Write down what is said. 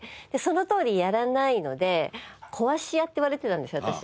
でそのとおりやらないので壊し屋って言われてたんですよ